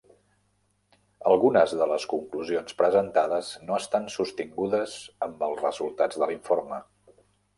Algunes de les conclusions presentades no estan sostingudes amb els resultats de l'informe.